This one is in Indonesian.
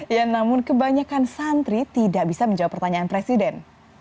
ya namun kebanyakan santri tidak bisa menjawab pertanyaan presiden